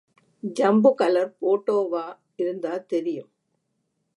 Jambu colour போட்டோவா இருந்தாத் தெரியும்.